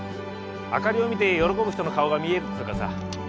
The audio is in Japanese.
明かりを見て喜ぶ人の顔が見えるっつうかさ。